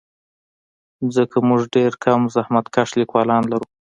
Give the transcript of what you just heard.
ځکه موږ ډېر کم زحمتکښ لیکوالان لرو.